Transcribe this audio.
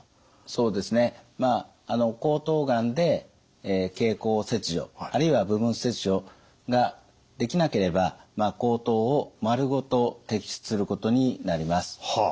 そうですねまああの喉頭がんで経口切除あるいは部分切除ができなければ喉頭を丸ごと摘出することになります。